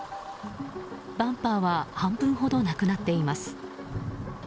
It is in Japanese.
バンパーは半分ほどなくなっています。